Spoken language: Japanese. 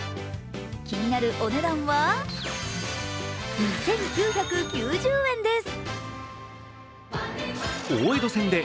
気になるお値段は２９９０円です。